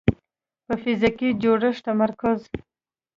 په فزیکي جوړښت تمرکز